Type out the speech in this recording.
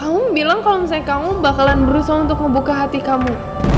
kamu bilang kalau misalnya kamu bakalan berusaha untuk membuka hati kamu